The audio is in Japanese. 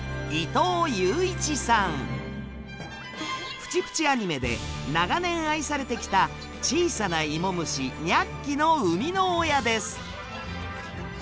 「プチプチ・アニメ」で長年愛されてきた小さなイモ虫ニャッキの生みの親です。